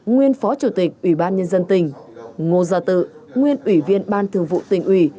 nguyên phó chủ tịch ủy ban nhân dân tỉnh ngô gia tự nguyên ủy viên ban thường vụ tỉnh ủy